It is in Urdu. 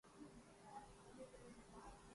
کچھ اور چاہیے وسعت مرے بیاں کے لیے